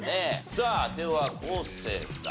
さあでは昴生さん。